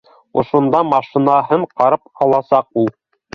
Ошонда машинаһын ҡарап аласаҡ ул